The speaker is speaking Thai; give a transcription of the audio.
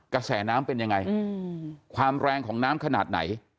กระแสน้ำเป็นยังไงความแรงของน้ำขนาดไหน